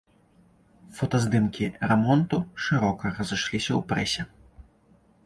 Фотаздымкі рамонту шырока разышліся ў прэсе.